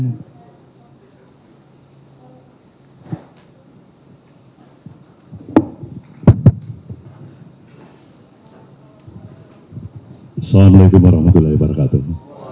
assalamu alaikum warahmatullahi wabarakatuh